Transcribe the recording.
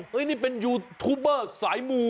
นี่เป็นยูทูปเบอร์สายมู